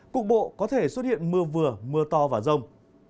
cục bộ có thể xuất hiện mưa vừa mưa to và rông